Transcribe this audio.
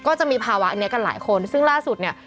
จะมีภาวะอันนี้กันหลายคนซึ่งล่าสุดเนี่ย